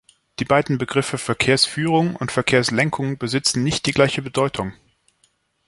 Die beiden Begriffe "Verkehrsführung" und "Verkehrslenkung" besitzen nicht die gleiche Bedeutung.